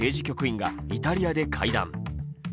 局員がイタリアで会談。